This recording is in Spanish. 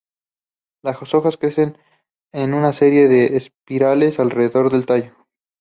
Las hojas crecen en una serie de espirales alrededor del tallo.